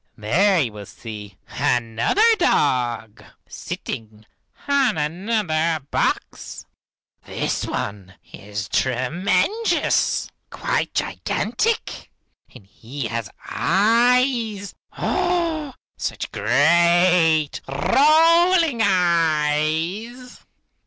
There you will see another dog, sitting on another box. This one is tremendous, quite gigantic, and he has eyes, oh! such great, rolling eyes!